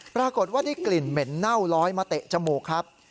ปรากฏว่าได้กลิ่นเหม็นเน่าลอยมาเตะจมูกครับ